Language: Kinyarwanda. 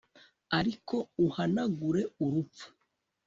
ariko uhanagure urupfu